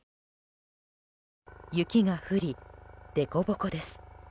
雪が降り、凸凹です。